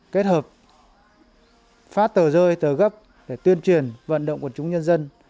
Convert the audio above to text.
kết hợp phát tờ rơi tờ gấp để tuyên truyền vận động quần chúng nhân dân